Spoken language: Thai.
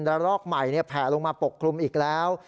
รอกใหม่แผ่ลงมาปกคลุมอีกแล้ว